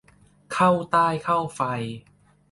เข้าไต้เข้าไฟ